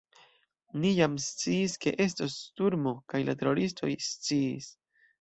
Ni jam sciis, ke estos sturmo, kaj la teroristoj sciis.